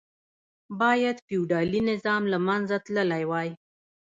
باید فیوډالي نظام له منځه تللی وای.